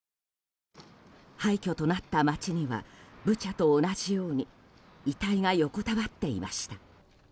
廃墟となった街にはブチャと同じように遺体が横たわっていました。